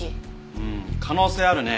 うーん可能性あるね。